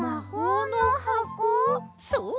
そう！